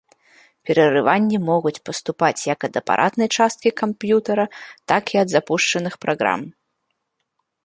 Перарыванні могуць паступаць як ад апаратнай часткі камп'ютара, так і ад запушчаных праграм.